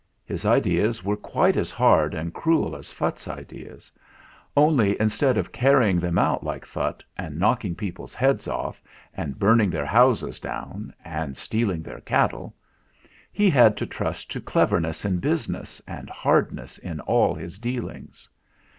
His ideas were quite as hard and cruel as Phutt's ideas, only instead of carrying them out like Phutt, and knocking people's heads off, and burning their houses down, and stealing their cattle, he had to trust to cleverness in business and hard ness in all his dealings.